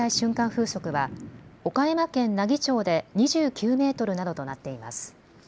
風速は岡山県奈義町で２９メートルなどとなっています。